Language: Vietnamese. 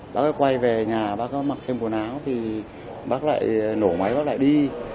bác ấy quay về nhà bác ấy mặc thêm quần áo thì bác lại nổ máy bác lại đi